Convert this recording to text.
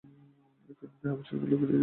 তিনি দেহাবশেষগুলি ফিরিয়ে দিচ্ছেন ।